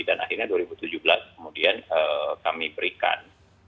dan akhirnya dua ribu tujuh belas kemudian kami berikan